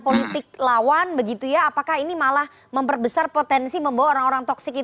politik lawan begitu ya apakah ini malah memperbesar potensi membawa orang orang toksik